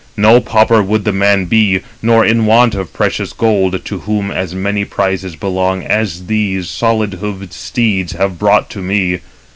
No pauper would the man be, nor in want of precious gold, to whom as many prizes belong as [these] solid hoofed steeds have brought to me.